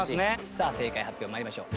さあ正解発表参りましょう。